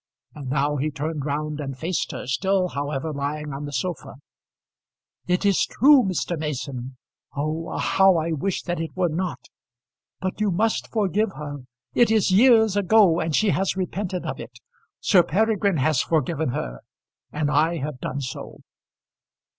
And now he turned round and faced her, still however lying on the sofa. "It is true, Mr. Mason. Oh, how I wish that it were not! But you must forgive her. It is years ago, and she has repented of it, Sir Peregrine has forgiven her, and I have done so."